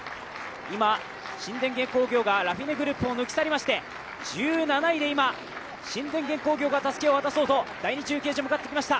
新電元工業がラフィネグループを抜き去りまして１７位で今、新電元工業がたすきを渡そうと第２中継所へ向かってきました。